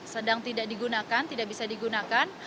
sedang tidak digunakan tidak bisa digunakan